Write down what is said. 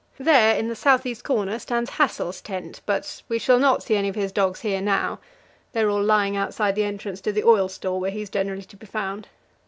There, in the south east corner, stands Hassel's tent, but we shall not see any of his dogs here now. They are all lying outside the entrance to the oil store, where he is generally to be found.